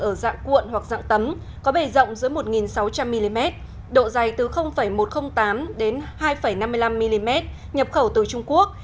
ở dạng cuộn hoặc dạng tấm có bề rộng dưới một sáu trăm linh mm độ dày từ một trăm linh tám đến hai năm mươi năm mm nhập khẩu từ trung quốc